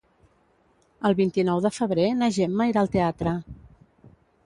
El vint-i-nou de febrer na Gemma irà al teatre.